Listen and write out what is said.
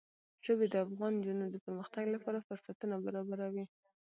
ژبې د افغان نجونو د پرمختګ لپاره فرصتونه برابروي.